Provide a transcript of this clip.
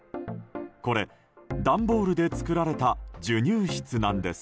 これ、段ボールで作られた授乳室なんです。